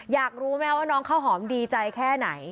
อยากรู้ไหมว่าน้องข้าวหอมดีใจแค่ไหน